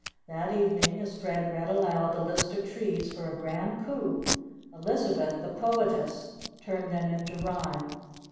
That evening, as Fred read aloud the list of trees for a Grand Coup, Elizabeth, the poetess, turned them into rhyme.